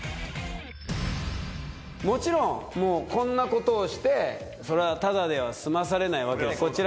もちろんもうこんなことをしてただでは済まされないわけです